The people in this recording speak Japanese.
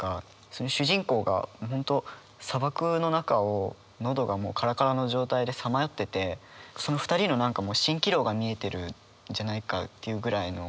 その主人公が本当砂漠の中を喉がカラカラの状態でさまよっててその２人の何かしんきろうが見えてるんじゃないかっていうぐらいの。